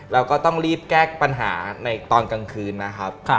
แล้วก็ต้องรีบแก้ปัญหาในตอนกลางคืนนะครับ